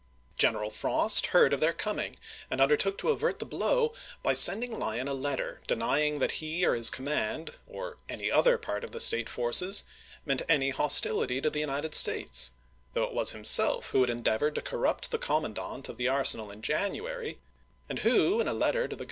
Greneral Frost heard of their coming, and undertook to avert the blow by sending Lyon a letter denying that he or his command, or "any other part of the State forces," meant any hostility J^^^l^^^ to the United States — though it was himself who ""ileckkam!' had endeavored to corrupt the commandant of the NaSiei arsenal in January, and who, in a letter to the ^^Ta.